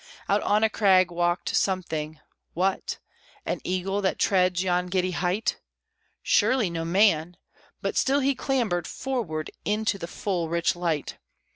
Out on a crag walked something what? an eagle, that treads yon giddy height? Surely no man! but still he clambered forward into the full, rich light.